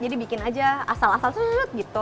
jadi bikin aja asal asal